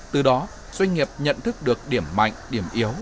từ đó doanh nghiệp nhận thức được điểm mạnh điểm yếu